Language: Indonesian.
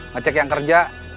ngecek yang kerja